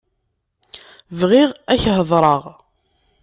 Bɣiɣ ad ak-heḍṛeɣ.